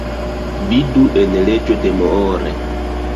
Vidu en leĝo de Moore.